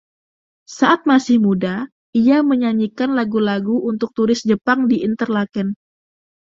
Saat masih muda, ia menyanyikan lagu-lagu untuk turis Jepang di Interlaken.